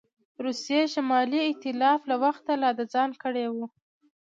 روسیې شمالي ایتلاف له وخته لا د ځان کړی وو.